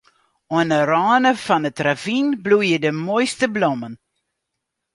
Oan 'e râne fan it ravyn bloeie de moaiste blommen.